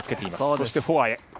そしてフォアへ。